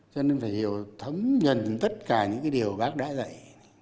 cho nên phải hiểu thấm nhận tất cả những cái điều bác đã dạy